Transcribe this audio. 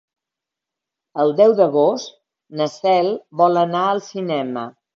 El deu d'agost na Cel vol anar al cinema.